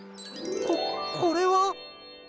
ここれは。